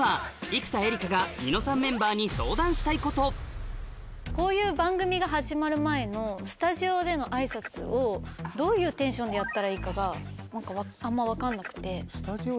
まずはこういう番組が始まる前のスタジオでの挨拶をどういうテンションでやったらいいかがあんま分かんなくて。